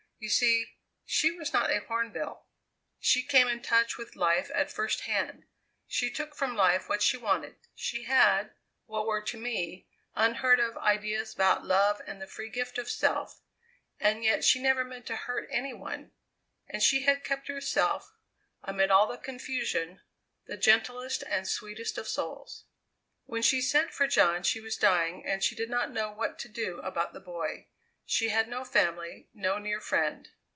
You see, she was not a hornbill. She came in touch with life at first hand; she took from life what she wanted; she had, what were to me, unheard of ideas about love and the free gift of self, and yet she never meant to hurt any one; and she had kept herself, amid all the confusion, the gentlest and sweetest of souls. "When she sent for John she was dying and she did not know what to do about the boy. She had no family no near friend.